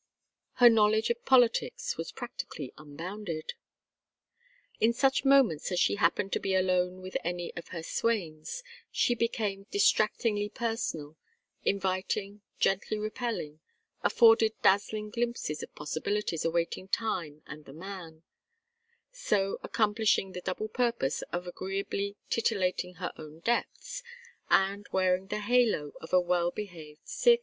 Her knowledge of politics was practically unbounded. In such moments as she happened to be alone with any of her swains, she became distractingly personal, inviting, gently repelling, afforded dazzling glimpses of possibilities awaiting time and the man: so accomplishing the double purpose of agreeably titillating her own depths and wearing the halo of a well behaved Circe.